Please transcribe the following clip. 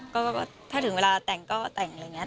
ก็ถ้าถึงเวลาแต่งก็แต่งอะไรอย่างนี้